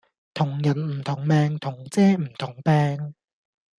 同人唔同命同遮唔同柄